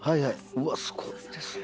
うわっすごいですね。